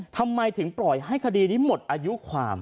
ทำไมถึงปล่อยให้คดีนี้หมดอายุความ